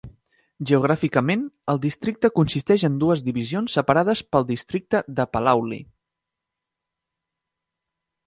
Geogràficament, el districte consisteix en dues divisions separades pel districte de Palauli.